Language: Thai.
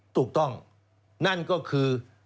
ถูกต้องนั่นก็คือ